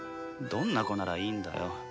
どんな子ならいいんだよ？